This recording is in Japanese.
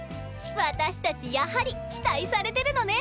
私たちやはり期待されてるのね！